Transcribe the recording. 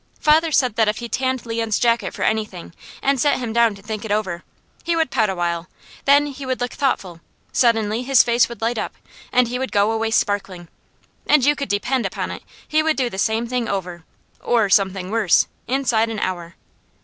Father said that if he tanned Leon's jacket for anything, and set him down to think it over, he would pout a while, then he would look thoughtful, suddenly his face would light up and he would go away sparkling; and you could depend upon it he would do the same thing over, or something worse, inside an hour.